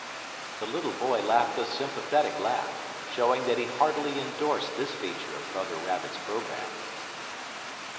'" The little boy laughed a sympathetic laugh, showing that he heartily endorsed this feature of Brother Rabbit's programme.